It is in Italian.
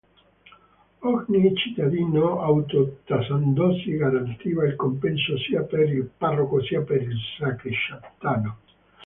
Ogni cittadino auto-tassandosi garantiva il compenso sia per il parroco sia per il sacrestano.